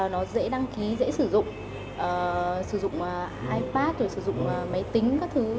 nó dễ đăng ký dễ sử dụng sử dụng ipad rồi sử dụng máy tính các thứ